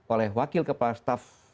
oleh wakil kepala staf